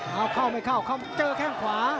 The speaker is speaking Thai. เอาเข้าไม่เข้าเจอแข้งขวา